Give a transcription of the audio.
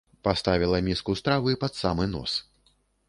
Паставіла міску стравы пад самы нос.